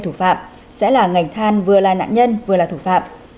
thủ phạm sẽ là ngành than vừa là nạn nhân vừa là thủ phạm